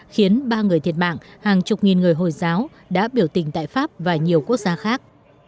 khiến ba người thiệt mạng hàng chục nghìn người hồi giáo đã biểu tình tại pháp và nhiều quốc gia khác